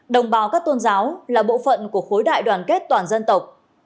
đồng bào các tôn giáo là bộ phận của khối đại đoàn kết toàn dân tộc